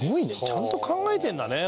ちゃんと考えているんだね